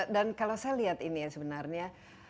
dan kalau saya lihat ini ya sebenarnya